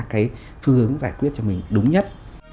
cái phương giải quyết cho mình đúng nhất